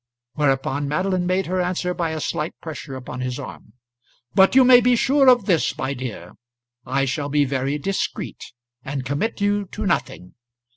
Whereupon Madeline made her answer by a slight pressure upon his arm. "But you may be sure of this, my dear; I shall be very discreet, and commit you to nothing.